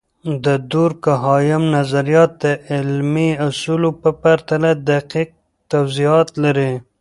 د دورکهايم نظریات د علمي اصولو په پرتله دقیق توضیحات لري.